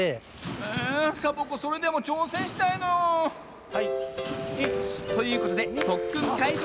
えサボ子それでもちょうせんしたいの。ということでとっくんかいし。